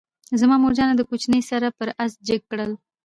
زما مورجانه دکوچنی سره یې پر آس جګ کړل،